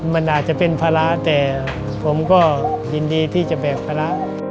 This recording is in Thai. มันอาจจะเป็นภาระแต่ผมก็ยินดีที่จะแบกภาระ